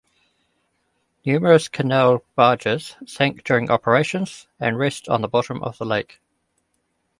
Numerous canal barges sank during operations and rest on the bottom of the lake.